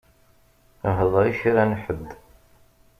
Hḍeṛ i kra n ḥedd.